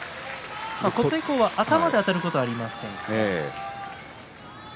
琴恵光は頭であたることはありません。